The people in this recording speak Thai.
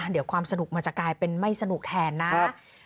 เดี๋ยวความสนุกมันจะกลายเป็นไม่สนุกแทนนะครับ